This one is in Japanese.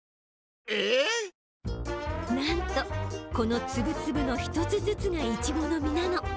なんとこのつぶつぶの１つずつがイチゴの実なの。